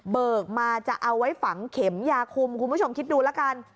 เบิกมาจะเอาไว้ฝังเข็มยาคุมคุณผู้ชมคิดดูแล้วกัน